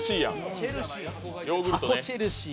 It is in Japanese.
チェルシー。